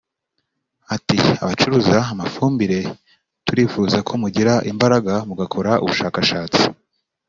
Ati “Abacuruza amafumbire turifuza ko mugira imbaraga mugakora ubushakashatsi